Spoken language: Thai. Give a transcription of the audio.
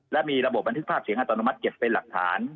และมีระบบบันทึกภาพเสียงอัตโนมัติเก็บเป็นหลักฐาน